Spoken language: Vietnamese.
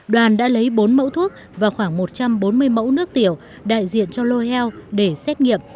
đoàn đã lấy bốn mẫu thuốc và khoảng một trăm bốn mươi mẫu nước tiểu đại diện cho lô heo để xét nghiệm